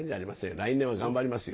来年は頑張りますよ。